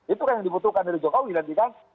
itu yang dibutuhkan dari jokowi nanti kan